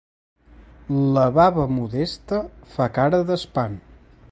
La baba Modesta fa cara d'espant.